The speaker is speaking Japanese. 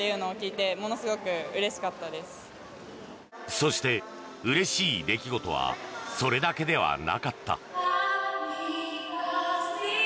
そしてうれしい出来事はそれだけではなかった。